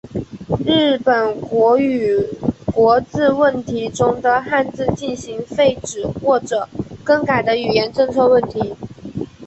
日本国语国字问题中的汉字进行废止或者更改的语言政策问题。